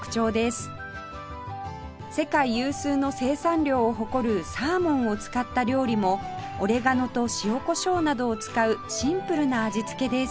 世界有数の生産量を誇るサーモンを使った料理もオレガノと塩コショウなどを使うシンプルな味付けです